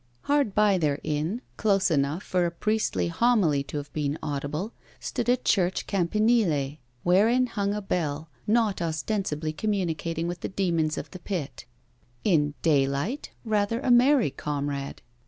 Hard by their inn, close enough for a priestly homily to have been audible, stood a church campanile, wherein hung a Bell, not ostensibly communicating with the demons of the pit; in daylight rather a merry comrade.